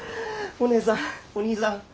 お姉さんお兄さん